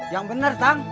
yang bener kang